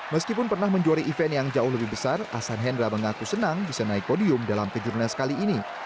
meskipun pernah menjuari event yang jauh lebih besar ahsan hendra mengaku senang bisa naik podium dalam kejurnas kali ini